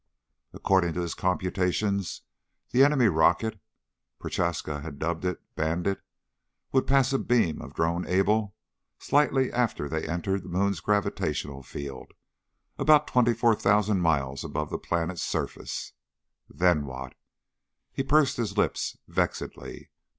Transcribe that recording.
According to his computations, the enemy rocket Prochaska had dubbed it Bandit would pass abeam of Drone Able slightly after they entered the moon's gravitational field, about 24,000 miles above the planet's surface. Then what? He pursed his lips vexedly.